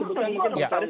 belum langsung sudah sampai